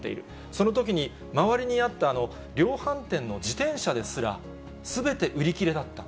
そのときに周りにあった量販店の自転車ですら、すべて売り切れだった。